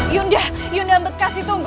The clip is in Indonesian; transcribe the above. yunda yunda ambekasi tunggu